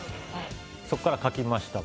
そこから書きました僕。